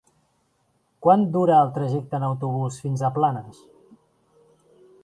Quant dura el trajecte en autobús fins a Planes?